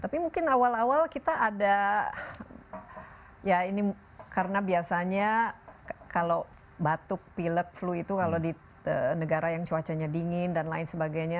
tapi mungkin awal awal kita ada ya ini karena biasanya kalau batuk pilek flu itu kalau di negara yang cuacanya dingin dan lain sebagainya